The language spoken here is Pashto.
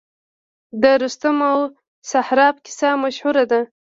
د رستم او سهراب کیسه مشهوره ده